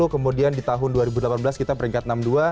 kemudian di tahun dua ribu delapan belas kita peringkat enam puluh dua